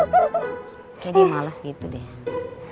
kayak dia males gitu deh